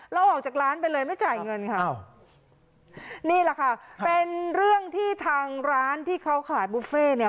ออกจากร้านไปเลยไม่จ่ายเงินค่ะนี่แหละค่ะเป็นเรื่องที่ทางร้านที่เขาขายบุฟเฟ่เนี่ย